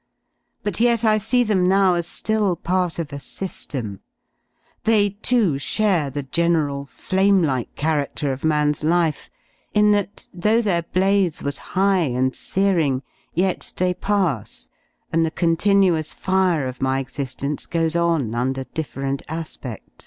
But yet I see them now as ^ill part of a sy^em: they, too, share the general flame _^ like charadler of man's life in that, though their blaze was /^ high and searing, yet they pass, and the continuous fire of V^ my exigence goes on under different aspeds.